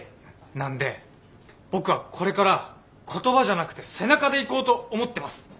なんで僕はこれから言葉じゃなくて背中でいこうと思ってます。